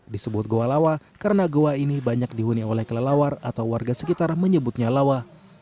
disebut goa lawa karena goa ini banyak dihuni oleh kelelawar atau warga sekitar menyebutnya lawa